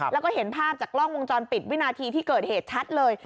แล้วก็เห็นภาพจากกล้องวงจรปิดวินาทีที่เกิดเหตุชัดเลย